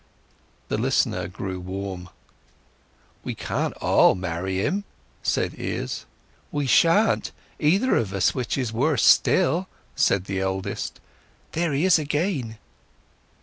The listener grew warm. "We can't all marry him," said Izz. "We shan't, either of us; which is worse still," said the eldest. "There he is again!"